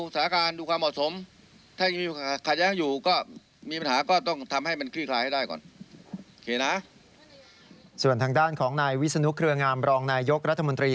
ส่วนทางด้านของนายวิศนุเครืองามรองนายยกรัฐมนตรี